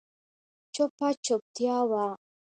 چوپه چوپتيا وه.